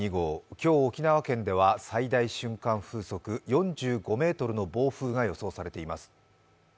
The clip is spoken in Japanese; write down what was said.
今日、沖縄県では最大瞬間風速４５メートルの暴風が予想されています。